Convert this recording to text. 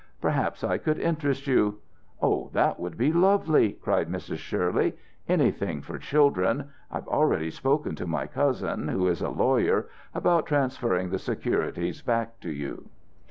Perhaps I could interest you " "Oh, that would be lovely!" cried Mrs. Shirley. "Anything for children.... I've already spoken to my cousin, who is a lawyer, about transferring the securities back to you."